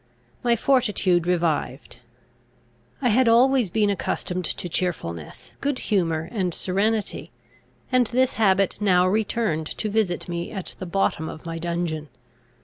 My fortitude revived. I had always been accustomed to cheerfulness, good humour, and serenity; and this habit now returned to visit me at the bottom of my dungeon.